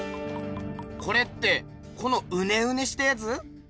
これってこのウネウネしたやつ？